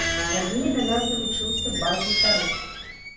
Пазней да нас далучыўся бас-гістарыст.